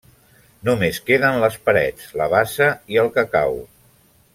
Només queden les parets, la bassa i el cacau.